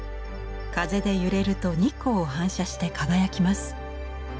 風で揺れると日光を反射して輝きます。